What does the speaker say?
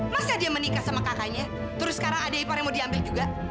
masa dia menikah sama kakaknya terus sekarang ada ipar yang mau diambil juga